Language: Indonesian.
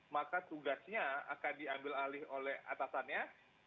maka tugasnya akan diambil alih oleh atasannya